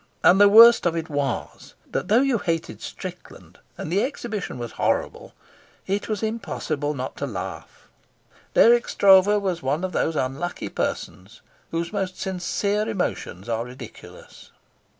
And the worst of it was that, though you hated Strickland, and the exhibition was horrible, it was impossible not to laugh. Dirk Stroeve was one of those unlucky persons whose most sincere emotions are ridiculous.